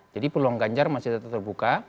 jadi peluang ganjar masih tetap terbuka